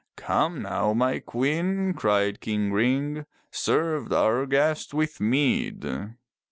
"Come now, my queen, cried King Ring. "Serve our guest with mead."